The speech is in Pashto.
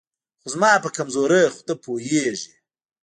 خو زما په کمزورۍ خو ته پوهېږې